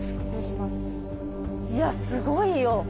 いやすごいよ。